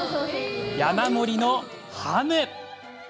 山盛りのハム。